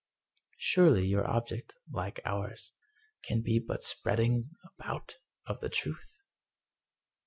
" Surely your object, like ours, can be but the Spreading About of the Truth?"